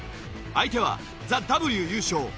相手はＴＨＥＷ優勝